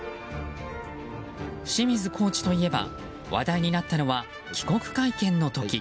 清水コーチといえば話題になったのは帰国会見の時。